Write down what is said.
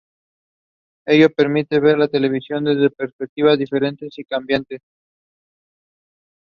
Ello permite ver la televisión desde perspectivas diferentes y cambiantes.